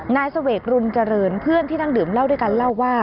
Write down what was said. นายเสวกรุณเจริญเพื่อนที่นั่งดื่มเหล้าด้วยกันเล่าว่า